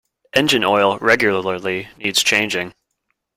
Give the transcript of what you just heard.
Engine oil regularly needs changing.